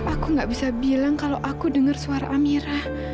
aku tidak bisa bilang kalau aku dengar suara amira